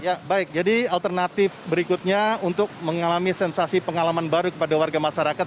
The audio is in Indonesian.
ya baik jadi alternatif berikutnya untuk mengalami sensasi pengalaman baru kepada warga masyarakat